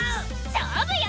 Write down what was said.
勝負よ！